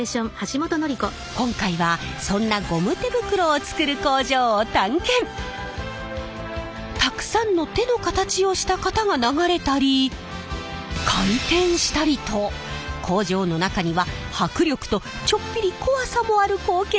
今回はそんなたくさんの手の形をした型が流れたり回転したりと工場の中には迫力とちょっぴり怖さもある光景が広がっていました！